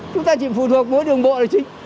chúng ta chỉ phụ thuộc mỗi đường bộ này chứ